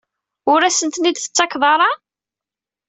Ur asen-ten-id-tettakeḍ ara?